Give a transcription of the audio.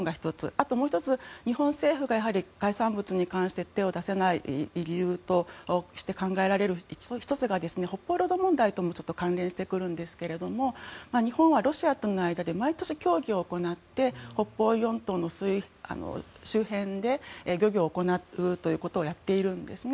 あともう１つ日本政府が海産物に対して手を出せないと考えられることの１つが北方領土問題とも絡んでくるんですが日本はロシアとの間で毎年協議を行って北方四島の周辺で漁業を行うということをやっているんですね。